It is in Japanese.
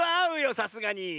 さすがに。